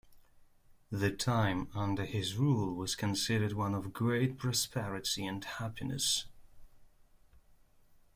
The time under his rule was considered one of great prosperity and happiness.